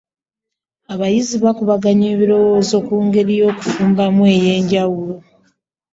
Abayizi bakubaganye ebirowoozo ku ngeri y’okufumbamu ey’enjawulo.